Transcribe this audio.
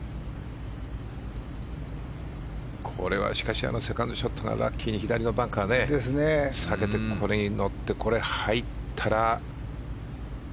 これはしかしセカンドショットがラッキーに左のバンカーを避けて、これに乗ってこれが入ったら。